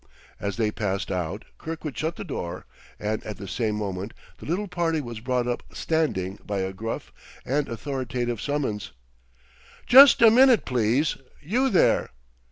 As they passed out, Kirkwood shut the door; and at the same moment the little party was brought up standing by a gruff and authoritative summons. "Just a minute, please, you there!"